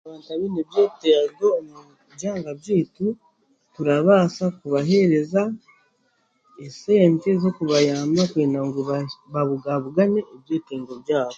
Abaine ebyetengo omu byanga byaitu, turabaasa kubaheereza esente z'okubayamba kwenda ngu babugaabugane n'eby'etengo byabo.